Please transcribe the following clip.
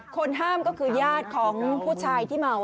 คนห้ามก็คือญาติของผู้ชายที่เมา